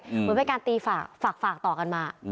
เหมือนไปการตีฝากฝากฝากต่อกันมา